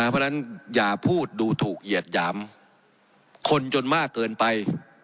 เพราะฉะนั้นอย่าพูดดูถูกเหยียดหยามคนจนมากเกินไป